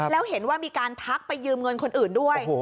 แล้วเห็นว่ามีการทักไปยืมเงินคนอื่นด้วย